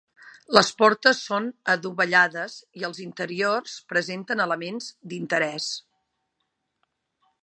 Les portes són adovellades i els interiors presenten elements d'interès.